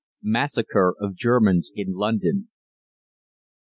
MASSACRE OF GERMANS IN LONDON.